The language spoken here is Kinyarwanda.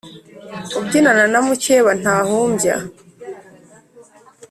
Ubyinana na mucyeba ntahumbya.